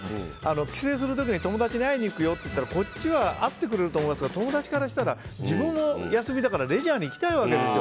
帰省するとき友達に会いに行くよというとこっちは会ってくれると思いますが、友達からしたら自分の休みだからレジャーに行きたいわけですよ。